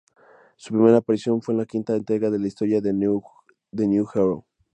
Su primera aparición fue en la quinta entrega de la historia The New Hero.